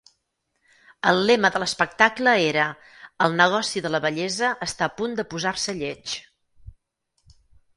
El lema de l'espectacle era "El negoci de la bellesa està a punt de posar-se lleig".